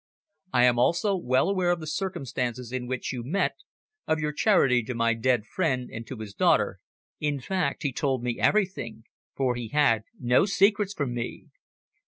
I am also well aware of the circumstances in which you met, of your charity to my dead friend and to his daughter in fact, he told me everything, for he had no secrets from me.